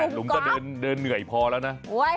หลุมก็เดินเหนื่อยพอแล้วนะ